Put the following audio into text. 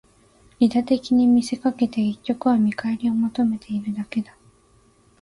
利他的に見せかけて、結局は見返りを求めているだけだ